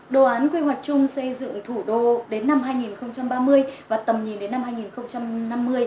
đồ án quy hoạch chung xây dựng thủ đô đến năm hai nghìn ba mươi và tầm nhìn đến năm hai nghìn năm mươi